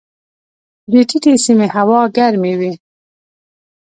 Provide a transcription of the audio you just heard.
د ټیټې سیمې هوا ګرمې وي.